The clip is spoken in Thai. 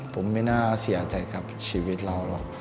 ผมไม่น่าเสียใจกับชีวิตเราหรอก